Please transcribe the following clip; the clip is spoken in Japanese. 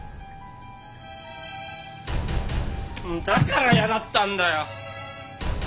だから嫌だったんだよ！